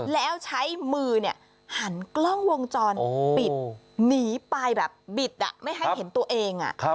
แล้วใช้มือหันกล้องวงจรปิดหนีไปแบบบิดไม่ให้เห็นตัวเอง